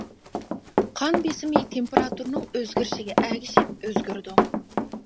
قان بېسىمى تېمپېراتۇرىنىڭ ئۆزگىرىشىگە ئەگىشىپ ئۆزگىرىدۇ.